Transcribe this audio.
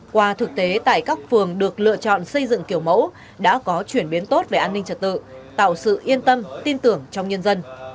qua thực tế tại các phường được lựa chọn xây dựng kiểu mẫu đã có chuyển biến tốt về an ninh trật tự tạo sự yên tâm tin tưởng trong nhân dân